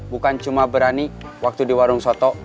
bukan cuma berani waktu di warung soto